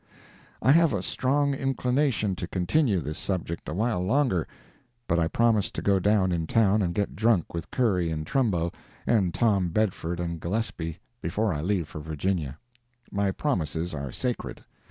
I have a strong inclination to continue this subject a while longer, but I promised to go down in town and get drunk with Curry and Trumbo, and Tom Bedford and Gillespie, before I leave for Virginia. My promises are sacred.